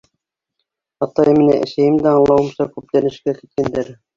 Атайым менән әсәйем дә, аңлауымса, күптән эшкә киткәндәр.